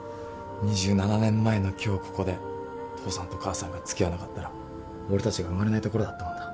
２７年前の今日ここで父さんと母さんが付き合わなかったら俺たちが生まれないところだったもんな。